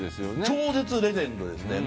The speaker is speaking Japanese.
超絶レジェンドですね。